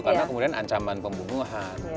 karena kemudian ancaman pembunuhan